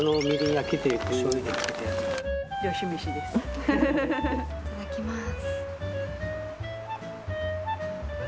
いただきます。